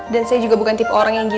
dan saya juga bukan tip orang yang gila